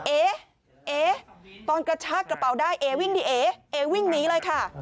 เอ๊ะเอ๊ะตอนกระชากระเป๋าได้เอ๊ะวิ่งดิเอ๊ะเอ๊ะวิ่งนี้เลยค่ะ